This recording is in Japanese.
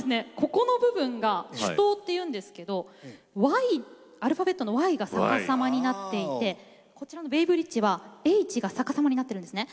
ここの部分が主塔っていうんですけどＹアルファベットのＹが逆さまになっていてこちらのベイブリッジはＨが逆さまになってるんですね。